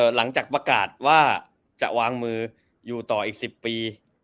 หลังจากประกาศว่าจะวางมืออยู่ต่ออีก๑๐ปี